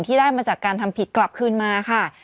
ได้มาจากการทำผิดกลับคืนมาค่ะ